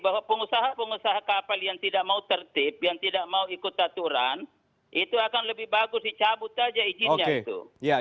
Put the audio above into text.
bahwa pengusaha pengusaha kapal yang tidak mau tertib yang tidak mau ikut aturan itu akan lebih bagus dicabut aja izinnya itu